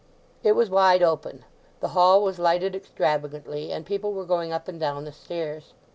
It was wide open, the hall was lighted extravagantly, and people were going up and down the stairs.